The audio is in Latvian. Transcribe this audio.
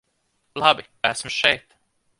Labi, esmu šeit.